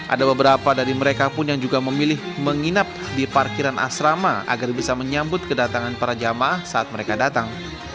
ada beberapa dari mereka pun yang juga memilih menginap di parkiran asrama agar bisa menyambut kedatangan para jamaah saat mereka datang